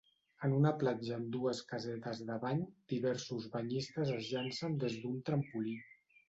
En una platja amb dues casetes de bany diversos banyistes es llancen des d'un trampolí.